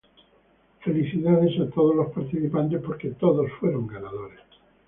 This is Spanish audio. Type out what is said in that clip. Felicidades a todos los participantes porque todos fueron ganadores.